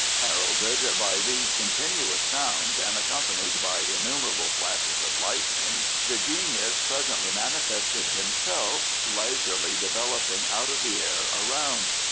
Heralded by these continuous sounds, and accompanied by innumerable flashes of lightning, the genius presently manifested himself, leisurely developing out of the air around.